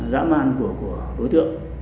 dã man của đối tượng